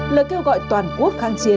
lời kêu gọi toàn quốc kháng chiến